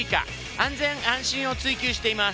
安全安心を追求しています。